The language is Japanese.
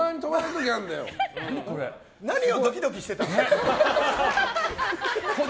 何をドキドキしてたの。